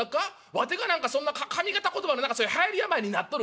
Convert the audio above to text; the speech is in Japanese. わてが何かそんな上方言葉のそういうはやり病になっとる」。